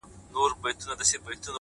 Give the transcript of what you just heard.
o پر دې گناه خو ربه راته ثواب راکه؛